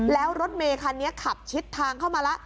แล้วรถเมคันนี้ขับชิดทางเข้ามาแล้ว